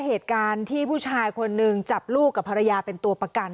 เหตุการณ์ที่ผู้ชายคนหนึ่งจับลูกกับภรรยาเป็นตัวประกัน